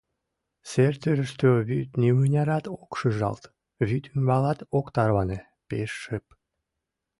Сер тӱрыштӧ вӱд нимынярат ок шыжалт, вӱд ӱмбалат ок тарване — пеш шып.